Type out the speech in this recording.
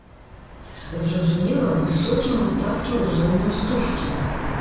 Зразумела, высокім мастацкім узроўнем стужкі.